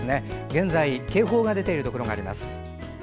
現在、警報が出ているところがあります。